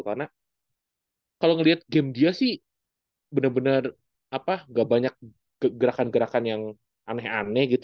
karena kalau ngelihat game dia sih bener bener nggak banyak gerakan gerakan yang aneh aneh gitu